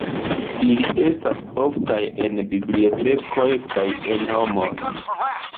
Ili estas oftaj en bibliotekoj kaj en hejmoj.